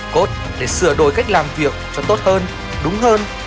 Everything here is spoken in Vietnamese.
cốt để sửa đổi cách làm việc cho tốt hơn đúng hơn